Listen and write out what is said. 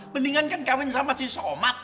mendingan kan kawin sama si somad